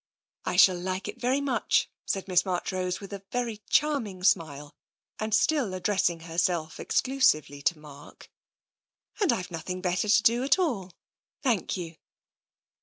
" I shall like it very much," said Miss Marchrose, with a very charming smile, and still addressing her self exclusively to Mark. *' And Tve nothing better to do at all, thank you."